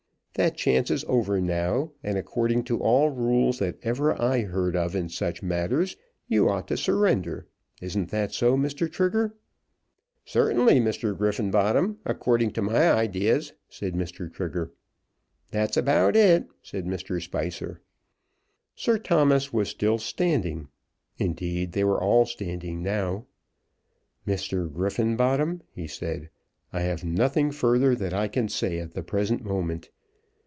That chance is over now, and according to all rules that ever I heard of in such matters, you ought to surrender. Isn't that so, Mr. Trigger?" "Certainly, Mr. Griffenbottom, according to my ideas," said Mr. Trigger. "That's about it," said Mr. Spicer. Sir Thomas was still standing. Indeed they were all standing now. "Mr. Griffenbottom," he said, "I have nothing further that I can say at the present moment.